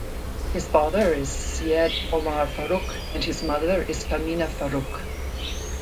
His father is Syed Omar Faruk and his mother is Tahmina Faruk.